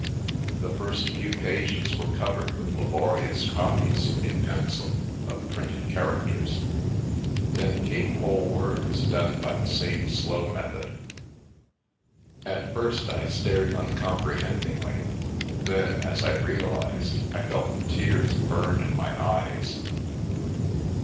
The first few pages were covered with laborious copies, in pencil, of printed char acters, then came whole words done by the same slow method. At first I stared uncomprehendingly, then, as I realised, I felt the tears burn in my eyes.